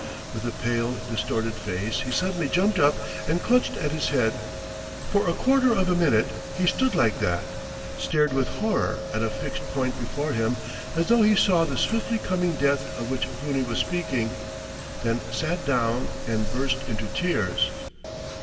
With a pale, distorted face he suddenly jumped up and clutched at his head. For a quarter of a minute he stood like that, stared with horror at a fixed point before him as though he saw the swiftly coming death of which Bruni was speaking, then sat down and burst into tears.